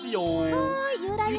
はいゆらゆら。